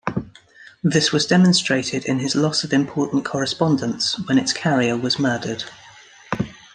This was demonstrated in his loss of important correspondence when its carrier was murdered.